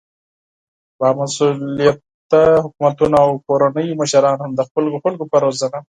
با مسؤليته حکومتونه او د کورنيو مشران هم د خپلو خلکو په روزنه